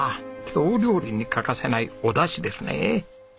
京料理に欠かせないお出汁ですね！